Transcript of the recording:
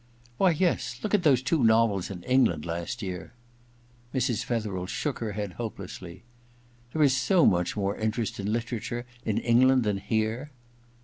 *Why, yes — ^look at those two novels in England last year——' Mrs. Fetherel shook her head hopelessly. * There is so much more interest in literature in England than here.'